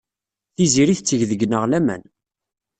Tiziri tetteg deg-neɣ laman.